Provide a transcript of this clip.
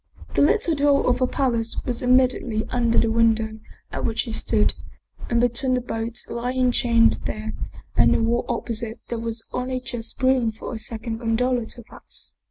The little door of the palace was immediately under the window at which he stood, and between the boat lying chained there and the wall opposite there was only just room for a second gondola to pass.